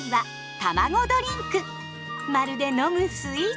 まるで飲むスイーツ。